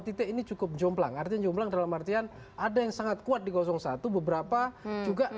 titik ini cukup jomplang artinya jomblang dalam artian ada yang sangat kuat di satu beberapa juga